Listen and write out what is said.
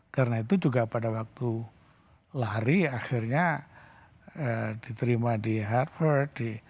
karena itu juga pada waktu lari akhirnya diterima di harvard